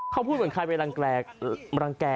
เขาพูดเหมือนใครไปรังแก่เขาอ่ะ